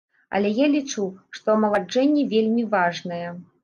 Але я лічу, што амаладжэнне вельмі важнае.